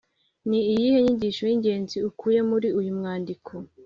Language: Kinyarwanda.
Ni iyihe nyigisho y’ingenzi ukuye muri uyu mwandiko?